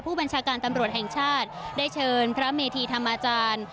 ผู้บัญชาการตำรวจแห่งชาติได้เชิญพระเมธีธรรมอาจารย์